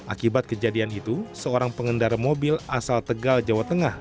akibat kejadian itu seorang pengendara mobil asal tegal jawa tengah